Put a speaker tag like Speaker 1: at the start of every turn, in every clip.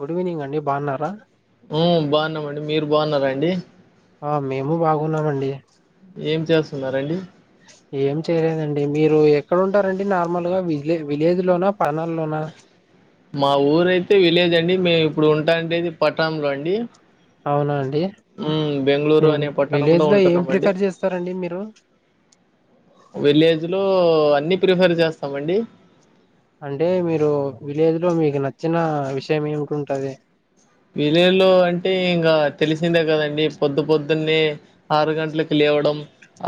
Speaker 1: Good evening అండి బాగున్నారా.
Speaker 2: ఉమ్ బాగున్నామండి మీరు బాగున్నారా అండి.
Speaker 1: ఆహ్ మేము బాగున్నామండి.
Speaker 2: ఏం చేస్తున్నరండి.
Speaker 1: ఏం చేయలేదండి మీరు ఎక్కడ ఉంటారండి నార్మల్ గా విలే విలేజ్ లోనా పణల్లోనా.
Speaker 2: మా ఊరయితే విలేజ్ అండి మేము ఇప్పుడు ఉంటా అంటేది పట్టణంలో అండి.
Speaker 1: అవునాండి.
Speaker 2: హ్మ్. బెంగుళూరు అనే
Speaker 1: ట్
Speaker 2: పట్టణంలో
Speaker 1: విలేజ్ లో ఏం
Speaker 2: ఉంటున్నామండి.
Speaker 1: ప్రిఫర్ చేస్తారండి మీరు
Speaker 2: విలేజ్ లో అన్ని ప్రిఫర్ చేస్తామండి
Speaker 1: అంటే మీరు విలేజ్ లో మీకు నచ్చినా విషయం ఏమిటుంటది.
Speaker 2: విలేజ్ లో అంటే ఇంకా తెలిసిందే కదండి పొద్దు పొద్దున్నే ఆరు గంట్లకి లేప్. లెవడం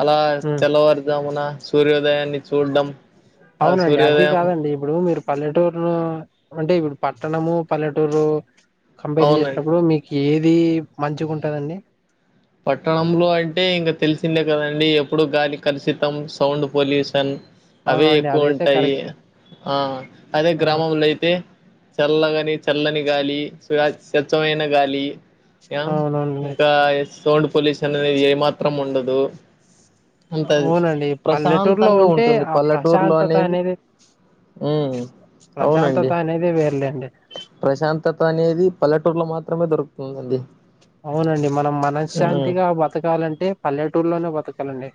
Speaker 2: అలా తెల్లవార్జామున సూర్యోదయాన్ని చూడం
Speaker 1: అవునండి అది కాదండి ఇప్పుడు మీరు పల్లెటూరు లో అంటే ఇప్పుడు పట్టణము పల్లెటూరు కంపేర్
Speaker 2: అవునండి.
Speaker 1: జెసేటప్పుడు మీకు ఏది మంచిగుంటదండి
Speaker 2: పట్టణంలో అంటే ఇంగ తెలిసిందే కదండి ఎప్పుడు గాలి కలుషితం సౌండ్ పొల్యూషన్ అవే
Speaker 1: అవునండి అదైతే
Speaker 2: ఎక్కువుంటాయ్
Speaker 1: కరెక్ట్
Speaker 2: ఆ అదే గ్రామంలో అయితే చల్లగాని చల్లని గాలి స్వే స్వచ్చమైన గాలి ఆ
Speaker 1: అవునవునండి
Speaker 2: ఇంకా సోండ్ పొల్యూషన్ ఏ మాత్రం ఉండదు ఉంటది
Speaker 1: అవునండి పల్లెటూరులో
Speaker 2: ప్రశాంతంగా
Speaker 1: ఉంటే
Speaker 2: ఉంటుంది
Speaker 1: ఆ ప్రశాంతత
Speaker 2: పల్లెటూరులోఅనేది
Speaker 1: అనేది
Speaker 2: మ్ అవునండి
Speaker 1: ప్రశాంతత అనేది వేర్లేండి
Speaker 2: ప్రశాంతతనేది పల్లె టుర్లో మాత్రమే దొరుకుతుందండి
Speaker 1: అవునండి మనం
Speaker 2: ఉమ్
Speaker 1: మనశ్శాంతిగా బతకాలంటే పల్లెటూర్లోనే బతకలండి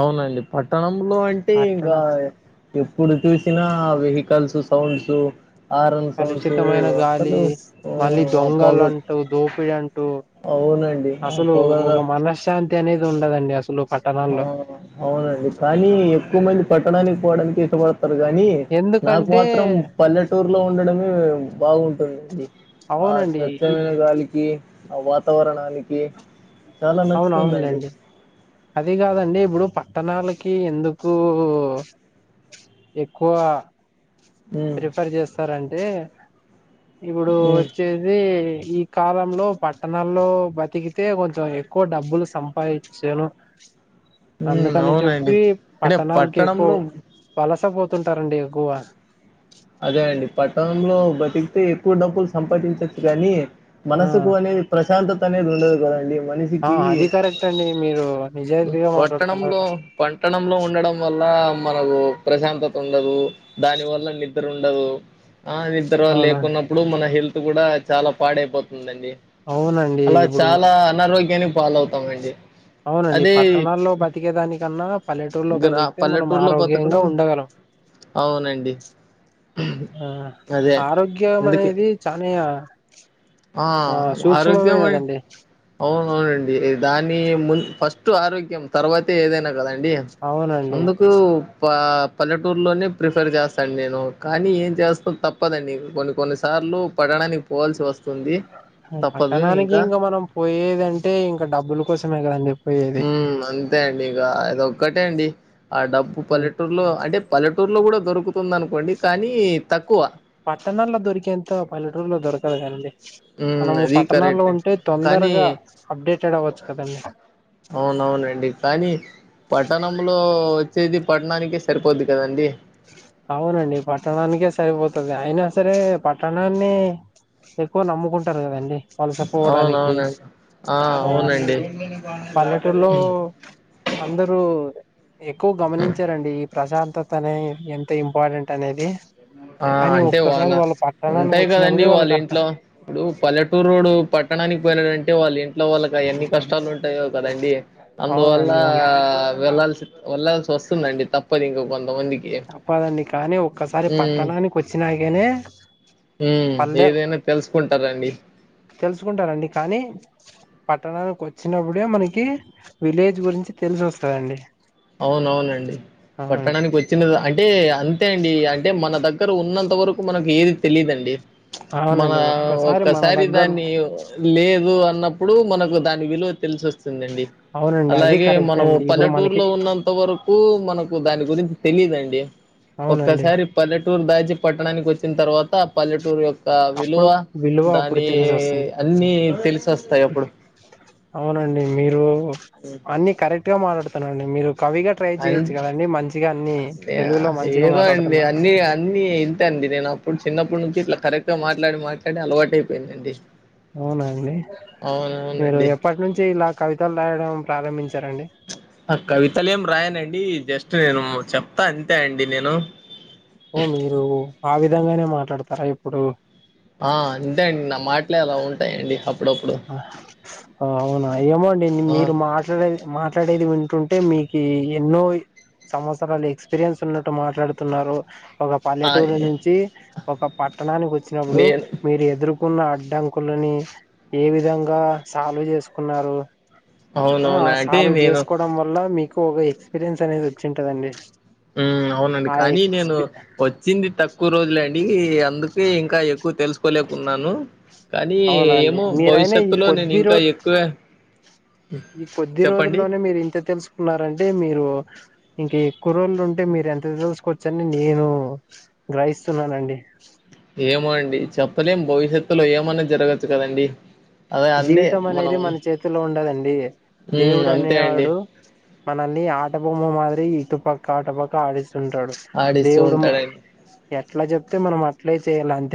Speaker 2: అవ్నండి పట్టణంలో అంటే
Speaker 1: అట్లన
Speaker 2: ఇంకా ఎప్పుడు చూసి న వెహికల్స్ సౌండ్స్ హారన్ సౌండ్స్
Speaker 1: కలుషితమైన గాలి
Speaker 2: అసలు
Speaker 1: మళ్ళీ
Speaker 2: హ్మ్. ఆ పొగ
Speaker 1: దొంగలంటూ దోపిడంటూ
Speaker 2: అవునండి ఆ
Speaker 1: అసలూ
Speaker 2: పొగ
Speaker 1: ఒక మనశ్శాంతి అనేది ఉండదండి అసలు
Speaker 2: ఆ
Speaker 1: పట్టణాల్లో
Speaker 2: అవునండి కానీ ఎక్కుమంది పట్టడానికి పోవడానికి ఇష్టపడ్ తారు గాని నాకు
Speaker 1: ఎందుకంటే
Speaker 2: మాత్రం పల్లెటూర్లో ఉండడమే బాగుంట్ టుంది ఆ
Speaker 1: అవునండి ఈ
Speaker 2: స్వచ్ఛమైన గాలికి ఆ వాతావరణానికి చాలా
Speaker 1: అవును
Speaker 2: నచ్చుతుందండి
Speaker 1: అవునులేండి అది కాదండి ఇప్పుడు పట్టణాలకి ఎందుకు ఎక్కువ
Speaker 2: ఉమ్
Speaker 1: ప్రిఫర్ చేస్తారంటే ఇప్పుడు
Speaker 2: ఉమ్
Speaker 1: వొచ్చేదీ ఇ కాలంలో పట్టణాల్లో బతికితే కొంచెం ఎక్కువ డబ్బులు సంపాఇంచెను
Speaker 2: ఉమ్
Speaker 1: అందుకని
Speaker 2: అవునండి
Speaker 1: చెప్పి
Speaker 2: అంటే
Speaker 1: పట్టణాల్కి ఎక్కువ
Speaker 2: పట్టణంలో
Speaker 1: వలస పోత్ పోతుంటారండి ఎగువ
Speaker 2: అదే అండి పట్టణంలో బతికితే ఎక్కువ డబ్బులు సంపాదించచ్చు కానీ
Speaker 1: ఆ
Speaker 2: మనసుకు అనేది ప్రశాంతతఅనేది ఉండదు కదండి
Speaker 1: ఆ
Speaker 2: మనిషికీ
Speaker 1: అది కరెక్ట్ అండి మీరు
Speaker 2: ఇప్పుడు
Speaker 1: నిజాయితీగా మాట్లాడుతున్నారు
Speaker 2: పట్టణంలో పంట్టణంలో ఉండడం వల్ల మనకు ప్రశాంతతుండదు దాని వల్ల నిద్ర ఉండదు ఆ నిద్ర
Speaker 1: అవునా
Speaker 2: లేకున్నప్పుడు మన హెల్త్ కూడా చాలా పాడైపోతుందండి
Speaker 1: అవునండి
Speaker 2: అలా
Speaker 1: ఇప్పుడు
Speaker 2: చాలా అనారోగ్యానికి పాలౌతామండి
Speaker 1: అవునండి పట్టణాల్లో బతికే దానికన్నా పల్లెటూర్లో
Speaker 2: గ్రా
Speaker 1: బతికితే మనం
Speaker 2: పల్లెటూరులో
Speaker 1: ఆరోగ్యంగా
Speaker 2: బతకడం
Speaker 1: ఉండగలం
Speaker 2: అవునండి.
Speaker 1: ఆ
Speaker 2: అదే అందుకే
Speaker 1: ఆరోగ్యమనేది చానిగ
Speaker 2: ఆ ఆరోగ్యమే అ అవునండి దాని ముందు ఫస్ట్ ఆరోగ్యం తర్వాతే ఏదైనా గదం
Speaker 1: అవునండి
Speaker 2: ఆ పల్లెటూర్లోనే ప్రిఫర్ చేస్తాను నేను కానీ ఏం చేస్తాం తప్పదండి కొన్ని కొన్ని సార్ ర్లు పట్టననికి పోవల్సి వస్తుంది తప్పదు
Speaker 1: పట్టణానికి
Speaker 2: ఇంకా
Speaker 1: ఇంగ మనం పోయేదంటే ఇంకా డబ్బుల కోసమే కదండి పోయేది
Speaker 2: మ్ అంతే అండి ఇగ అదొక్కటే అండి ఆ డబ్బు పల్లెటూర్లో అంటే పల్లె టూర్లో కూడా దొరుకుతుందనుకోండి కానీ తక్
Speaker 1: పట్టణాల్లో దొరికేంత పల్లెటూర్లో దొరుకదు కదండి
Speaker 2: ఉమ్
Speaker 1: మనము
Speaker 2: అది
Speaker 1: పట్టణాల్లో
Speaker 2: కరెక్ట్
Speaker 1: ఉంటే
Speaker 2: కానీ
Speaker 1: తొందరగా అప్డేటెడ్ అవ్వచ్చు కదండి
Speaker 2: అవునవ్నండి కానీ పట్టణంలో ఓచ్చేది పట్టణాననికే సరిపోద్ది కదండి
Speaker 1: అవ్నండి పట్టణానికే సరిపోతు అయినా సరే పట్టణాన్ని ఎక్కువ నమ్ముకుంటారు కదండి వలస పోవడానికి
Speaker 2: అవునవునండి
Speaker 1: ఆ పల్లెటూర్లో అందరూ ఎక్కువ గమనించారండి ఈ ప్రశాంతతనే ఎంత ఇంపార్టెంట్ అనేది
Speaker 2: ఆ
Speaker 1: కానీ
Speaker 2: అంటే వాల
Speaker 1: ఒక్కసారి వాళ్ళు పట్టణానికి
Speaker 2: ఉంటాయి కదండి
Speaker 1: వచ్చినప్పుడే
Speaker 2: వాళ్ళ
Speaker 1: వాళ్ళకి అర్థం
Speaker 2: ఇంట్లో ఇప్పుడు పల్లెటూరోడు పట్టణానికి పోయినాడ్ టె వాళ్ళ ఇంట్లో వాళ్ళకి అ ఎన్ని కష్టాలు ఉంటాయో కదండి అందువల్ల
Speaker 1: అవునండి అవును
Speaker 2: వెళ్ళల్సి వెళ్లాల్సి వస్తుందండి తప్పదు ఇంక కొ
Speaker 1: తప్పదండి కానీ ఒక్కసారి
Speaker 2: ఉమ్
Speaker 1: పట్టణానికి వచ్చినాకనే
Speaker 2: ఉమ్
Speaker 1: పల్లె
Speaker 2: ఏదైనా తెలుసుకుంటారండి
Speaker 1: తెలుసుకుంటారండి కానీ పట్టణానికి వచ్చినప్పుడే మనకి విలేజ్ గురించి తెలిసోస్తదండి
Speaker 2: అవునవునండి పట్టణానికి వచ్చిన అంటే అంతే అండి అంటే మన దగ్గర ఉన్న తవరకు మనకి ఏది తెలిదండి మన
Speaker 1: అవునండి మన
Speaker 2: ఒక్కసారి
Speaker 1: దగ్గర
Speaker 2: దాన్ని లేదు అన్ పుడు మనకు దాని విలువ తెలిసొస్తుందిండి
Speaker 1: అవునండి అది
Speaker 2: అలాగే
Speaker 1: కరెక్ట్
Speaker 2: మనము
Speaker 1: అండి ఇప్పుడు
Speaker 2: పల్లెటూరు
Speaker 1: మనకి
Speaker 2: లో ఉన్నంత వరకు మనకు దాని గురించి తెలిదుఅండి
Speaker 1: అవునండి
Speaker 2: ఒక్కసారి పల్లె టూర్ దాచి పట్టణానికి వచ్చిన తర్వాత పల్లెటూర్ యొక్క ఒక విలువ
Speaker 1: అప్పుడు విలువ అప్పుడు
Speaker 2: దాని
Speaker 1: తెలిసి వస్తుంది
Speaker 2: అన్ని తెలిసొస్తాయి అప్పుడు
Speaker 1: అవునండి మీరు అన్ని కరెక్ట్ గా మాట్లాడుతున్నారండి మీరు కవిగా ట్రై
Speaker 2: అన్
Speaker 1: చేయొచ్చు కదండి మంచిగా అన్ని తెలుగులో మంచిగా
Speaker 2: ఏదో
Speaker 1: మాట్లాడుతున్నారు
Speaker 2: ఇప్పుడు చిన్నప్పడ్ నుంచి ఇట్లా కరెక్ట్ గా మాట్లాడి మాట్లాడి అలవాటు అయిపోయిందండి
Speaker 1: అవునా అండి మీరు ఎప్పటి నుంచి ఇలా కవితలు రాయడం ప్రారంభించ
Speaker 2: ఆ కవిత లేం రాయన్ అ అండి జస్ట్ నేను చెప్తా అంతే అండి నేను
Speaker 1: ఓ మీరు ఆ విధంగానే మాట్లాడతారా ఇప్పుడు
Speaker 2: ఆ అంతే అండి నా మాటలే అలా ఉంటాయండి హబ్
Speaker 1: అవునా ఏమోండి
Speaker 2: ఆ
Speaker 1: మీరు మాట్లాడేది మాట్లాడేది విన్ టుంటే మీకి ఎన్నో సంవత్సరాలు ఎక్స్పీరియన్స్ ఉన్నట్టు మాట్లాడుతున్నారు ఒక
Speaker 2: ఆ
Speaker 1: పల్లెటూరు నుంచి ఒక పట్టణానికి వచ్చినప్పుడు
Speaker 2: నేను
Speaker 1: మీరు ఎదురు కున్న అడ్డంకులని ఏ విధంగా సాల్వ్ చేసుకున్నారు ఆ ఆ
Speaker 2: అవునవునా అంటే
Speaker 1: సాల్వ్
Speaker 2: నేను
Speaker 1: చేసుకోవడం వల్ల మీకు ఒక ఎక్స్పీరియన్స్ అనేది వచ్చింటదండి
Speaker 2: ఉ అవునండి
Speaker 1: ఆ
Speaker 2: కానీ నేను
Speaker 1: ఎక్స్పీ
Speaker 2: వచ్చింది తక్కువ రోజులె అండి అందుకే ఇంకా ఎక్కువ తెలుసుకోలేకున్నాను కానీ
Speaker 1: అవునండి
Speaker 2: ఏమో
Speaker 1: మీరైనా ఈ
Speaker 2: భవిష్యత్తులో నేను
Speaker 1: కొద్ది
Speaker 2: ఇంకా
Speaker 1: రో
Speaker 2: ఎక్కువే
Speaker 1: ఈ కొద్ది రోజుల్లోనే మీరు ఇంత తెలుసుకున్నారంటే మీరు ఇంక ఇ కురోళ్లుు ఉంటే మీరు ఎంత తెలుసుకోవచ్చని నేను గ్రహిస్తున్నానండి
Speaker 2: ఏమొ అండి చెప్పలేం భవిష్యత్తులో ఏమన్నాది జరగచ్చు కదండి అదే అందే
Speaker 1: జీవితం
Speaker 2: మనం
Speaker 1: అనేది మన చేతిలో ఉండదండి
Speaker 2: మ్మ్
Speaker 1: దేవుడు
Speaker 2: అంతే అండి
Speaker 1: అనేవాడు మనల్ని ఆట బొమ్మ మా ఇటుపక్క అటుపక్క ఆడిస్తుంటాడు
Speaker 2: ఆడిస్తూ
Speaker 1: దేవుడు మ
Speaker 2: ఉంటాడండి
Speaker 1: ఎట్లా చెప్తే మనం ఇట్లే చేయాలనీ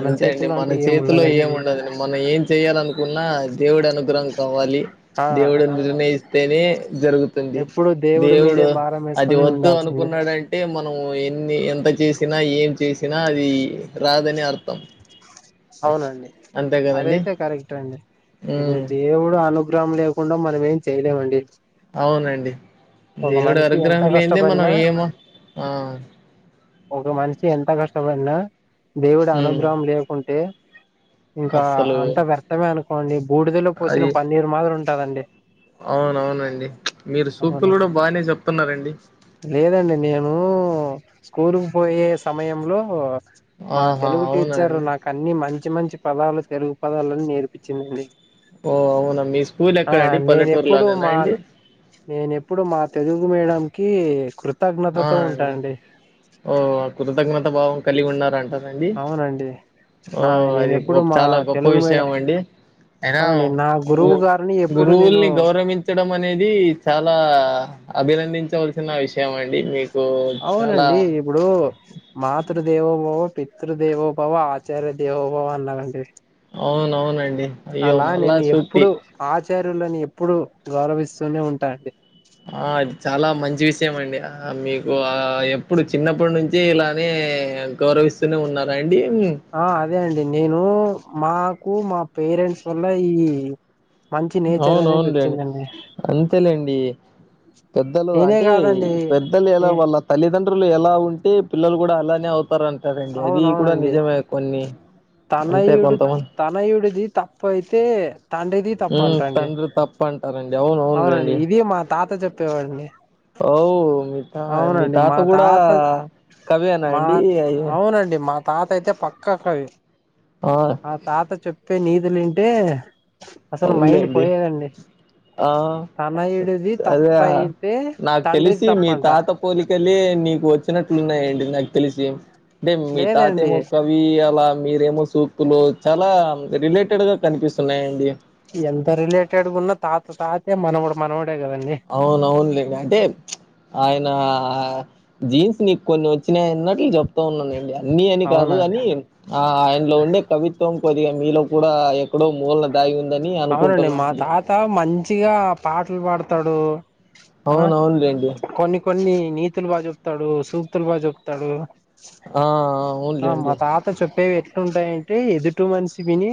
Speaker 2: అంతే అండి మన చేతిలో ఏముండదండి మనం ఏం చే చేయ్యాలనుకున్నా దేవుడి అనుగ్రహం కావాలి
Speaker 1: ఆ
Speaker 2: దేవుడు నిర్ణయిస్తేనే జరుగుతుంది
Speaker 1: ఎప్పుడు దేవుడి
Speaker 2: దేవుడు
Speaker 1: మీదే భారం
Speaker 2: అది
Speaker 1: వేసుకొని
Speaker 2: వద్దు
Speaker 1: ఉండాల్సిందే
Speaker 2: అనుకున్నాడంటే మనం ఎన్ని ఎంత చేసినా ఏం చేసినా అది రాదని అర్థం
Speaker 1: అవునండి
Speaker 2: అంతే కదండి
Speaker 1: అదైతే కరెక్ట్ అండి ఇప్పుడు
Speaker 2: ఉమ్
Speaker 1: దేవుడు అనుగ్రహం లేకుండా మనం ఏం చేయలేమండి
Speaker 2: అవునండి
Speaker 1: ఒక
Speaker 2: దేవుడు
Speaker 1: మనిషి ఎంత
Speaker 2: అనుగ్రహం లెందే మనం
Speaker 1: కష్టపడినా
Speaker 2: ఏమో అ
Speaker 1: చి ఎంత కష్టపడినా దేవుడి
Speaker 2: ఉమ్
Speaker 1: అనుగ్రహం లేకుంటే ఇంకా
Speaker 2: అస్సలు
Speaker 1: అంతా వ్యర్థమే అనుకోండి బూడిదలో పోసిన
Speaker 2: అది
Speaker 1: పన్నీరు మాదిరి ఉంటాదండి
Speaker 2: అవునవునండి మీరు సూక్తులు
Speaker 1: అవునా
Speaker 2: గుడ బానే చెప్తున్నారండి
Speaker 1: లేదండి నేను స్కూల్కు పోయే సమయంలో మా
Speaker 2: ఆహా
Speaker 1: తెలుగు టీచర్
Speaker 2: అవునండి
Speaker 1: నాక్ మంచి మంచి పదాలు తెలుగు పదాలని నేర్పించిందండి
Speaker 2: ఓ అవునా మీ స్కూల్
Speaker 1: ఆ
Speaker 2: ఎక్కడండి
Speaker 1: నేనెప్పుడు
Speaker 2: పల్లెటూరులోనేనా
Speaker 1: మా
Speaker 2: అండి
Speaker 1: నేనెప్పుడు మా తెలు గు మేడం కి కృ
Speaker 2: ఆ అండి ఓ అ కృతజ్ఞత భావం కలిగి ఉన్నారంట అండి
Speaker 1: అవునండి
Speaker 2: ఓ
Speaker 1: నా నేను
Speaker 2: అది గొ
Speaker 1: ఎప్పుడు మా
Speaker 2: చాలా గొప్ప
Speaker 1: తెలుగు
Speaker 2: విషయం
Speaker 1: మీడియం
Speaker 2: అండి అయినా
Speaker 1: అవునండి నా
Speaker 2: గు
Speaker 1: గురువు గారిని ఎప్పుడు నేను
Speaker 2: గురువుల్ని గౌరవించడం అనేది చాలా అభినందించవలసిన విషయం అండి మీ
Speaker 1: అవునండి ఇప్పుడు మాతృదేవోభవ పితృదేవోభవ ఆచార్య దేవోభవ అన్నరండి
Speaker 2: అవునవునండి అయ్యో
Speaker 1: అలా
Speaker 2: మళ్ళా
Speaker 1: నేను
Speaker 2: సూక్తి
Speaker 1: ఎప్పుడు ఆచార్యులని ఎప్పుడు గౌరవిస్తూనే ఉంటా అండి
Speaker 2: ఆ అది చాలా మంచి విషయం అండి అ మీకు ఆ ఎప్పుడు చిన్నప్పటి నుం చి ఇలానే గౌరవిస్తూనే ఉన్నార
Speaker 1: ఆ అదే అండి నేనూ మాకు మా పేరెంట్స్ వల్ల ఈ మంచి నేచర్ అనేది
Speaker 2: అవునవును లెండి
Speaker 1: వచ్చిందండి
Speaker 2: అంతేలేం డి పెద్దలు
Speaker 1: నేనే
Speaker 2: అంటే
Speaker 1: కాదండి
Speaker 2: పెద్దలు ఎలా
Speaker 1: నే
Speaker 2: వాళ్ళ తల్లిదం డ్రులు ఎలా ఉంటే పిల్లలు గుడా అలానే అవుతారంటారండి అది గుడా
Speaker 1: అవునవునండి
Speaker 2: నిజమే కొన్ని అంతే
Speaker 1: తనయుడు
Speaker 2: కొంతమంది
Speaker 1: తనయుడిది తప్పు అయితే తండ్రిది తప్పు
Speaker 2: ఉమ్
Speaker 1: అంటండి
Speaker 2: తండ్రి తప్పంటారండి
Speaker 1: అవునండి ఇది మా తాత చెప్పేవాడిని
Speaker 2: ఓవ్ ఆ మీ తాత
Speaker 1: మా
Speaker 2: గూడా
Speaker 1: తాత
Speaker 2: కవి ఎనా
Speaker 1: మా
Speaker 2: అండి అయ
Speaker 1: అవునండి మా తాత అయితే పక్క కవి
Speaker 2: ఆ
Speaker 1: మా తాత చెప్పే నీతులింటే అసలు మైండ్
Speaker 2: అవునులేండి
Speaker 1: పోయేదండి
Speaker 2: ఆ
Speaker 1: తనయుడిది
Speaker 2: అదే
Speaker 1: తప్ప అయితే
Speaker 2: నాకు
Speaker 1: తండ్రిది
Speaker 2: తెలిసి మీ
Speaker 1: తప్పంట
Speaker 2: తాత పోలికలే నీక్ కు వచ్చినట్లు ఉన్నాయండి నాకు తెలిసి అంటే మీ తాత
Speaker 1: లేదండి
Speaker 2: ఏమొ కవి అలా మీరేమో సూక్తులు చాలా రిలేట్ టేడాగా కనిపిస్తున్నాయండి
Speaker 1: ఎంత రిలేటెడ్గున్న తాత తాతె మనవడు మనవ
Speaker 2: అవునవునులే అంటే ఆయనా జీన్స్ మీకు కొన్ని వచ్చినయి అన్నట్లు జేప్ త ఉన్నానండి అన్నీ అని కాదు
Speaker 1: అవునా
Speaker 2: గని ఆ ఆయనలో ఉండే కవిత్వం కొద్దిగా మీలో కూడా ఎ క్కడొ మూలనా దాగి ఉం
Speaker 1: అవునండి మా తాత మంచిగా పాటలు పాడతాడు ఆ
Speaker 2: అవునవును లెండి
Speaker 1: కొన్ని కొన్ని నీతులు బాగ చెప్తాడు సూక్తులు బాగ చెప్తాడు
Speaker 2: ఆ అవున్లేండి
Speaker 1: టె ఎట్లుంటాయంటే ఎదుటి మనిషి విని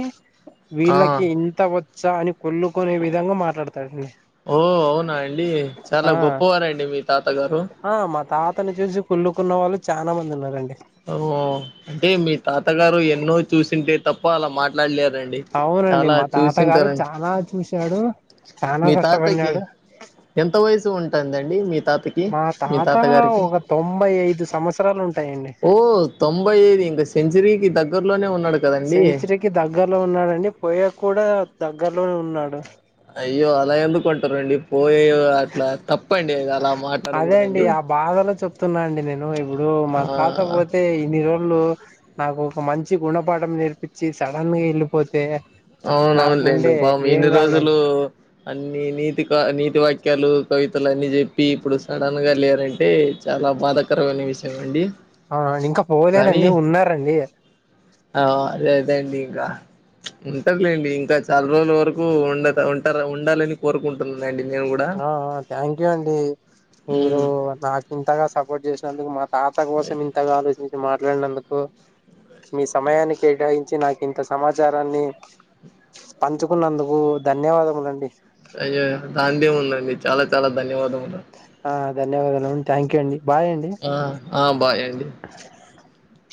Speaker 2: ఆ
Speaker 1: వీళ్ళకి ఇన్ ఒచ్చా అని కుళ్ళుకునే విధంగా మాట్లాడతాడండి
Speaker 2: ఓ అవునా అండి
Speaker 1: ఆ
Speaker 2: చాలా గొప్పవారండి మీ తాత గారు
Speaker 1: అతను చూసి కుళ్ళుకున్న వాళ్ళు చానా మంది ఉన్నారండి
Speaker 2: ఆవ్ అంటే మీ తాతగారు ఎన్నో చూసుంటే తప్ప అలా మాట్లాడలే రండి
Speaker 1: అవునండి
Speaker 2: చాలా
Speaker 1: మా తాతగారు
Speaker 2: చూసింటారం
Speaker 1: చాలా చూశాడు చానా
Speaker 2: మీ తాతకి
Speaker 1: కష్టపడినాడు
Speaker 2: ఎంత వయసు ఉంటందండి మీ తాతకి మీ తాత గారికి
Speaker 1: ఒక తొంభై ఐదు సంవత్సరాలు ఉంటాయండి
Speaker 2: ఓహ్ తొంభై ఐదె ఇంక సెంచరీకి దగ్గరలోనే ఉన్న
Speaker 1: సెంచరీకి దగ్గరలో ఉన్నాడండి పోయకూడా దగ్గరలోనే ఉన్నాడు
Speaker 2: అయ్యో అలా ఎందుకుంటరండి ఇప్పు పోయే అట్ల తప్పండి అలా
Speaker 1: అదే అండి
Speaker 2: మాట్లాడకూడదండి
Speaker 1: ఆ బాధలో చెప్తున్నా అండి నేను ఇప్పుడు మా తాత
Speaker 2: ఆ
Speaker 1: పోతే ఇన్నిరోజు లు నాకు ఒక మంచి గుణపాఠం నేర్పించి సడన్ గా వెళ్ళిపోతే
Speaker 2: అవున అవునులేండి
Speaker 1: నాకుండే
Speaker 2: పాపం
Speaker 1: ఏం
Speaker 2: ఇన్ని రోజులు
Speaker 1: కావాలండి
Speaker 2: అన్ని నీతి కా నీతి వాక్యాలు కవితలు అన్ని చెప్పి ఇప్పుడు సడన్ గా లేరంటే చా లా బాధాకరమైన విషయం అండి
Speaker 1: ఆ ఇంకా
Speaker 2: కానీ
Speaker 1: పోలేదండి ఉన్నారండి
Speaker 2: ఆ అదే అదేండింగా ఉంటరులేండి ఇంకా చాలా రోజుల వరకు ఉండతా ఉంట ఉండాలని కోరుకుంటున్నా
Speaker 1: ఆ అ థ్యాంక్యూ అండి మీరు
Speaker 2: ఉమ్
Speaker 1: నాకు ఇంతగా సపోర్ట్ చేసినందుకు మా తాత కోసం ఇంతగా ఆలోచించి మాట్లాడినందుకు మీ సమయాన్ని కేటాయించి నాకు ఇంత సమాచారాన్ని పంచుకున్నందుకు ధన్యవాదములండి
Speaker 2: అయ్యో దాందే ఉందండి చాలా చాలా ధన్యవాదములు
Speaker 1: ధన్యవాదలము థ్యాంక్యూ అండి
Speaker 2: ఆ ఆ బాయ్ అండి
Speaker 1: బ్లాంక్